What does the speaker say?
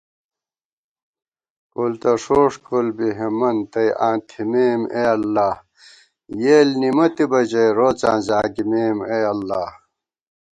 کول تہ ݭوݭ کول بی ہېمند تئ آں تھِمېم اے اللہ * یېل نِمَتِبہ ژَئی روڅاں زاگِمېم اےاللہ